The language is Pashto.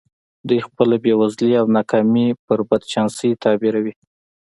دوی خپله بېوزلي او ناکامي پر بد چانسۍ تعبیروي